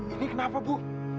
ini kenapa bu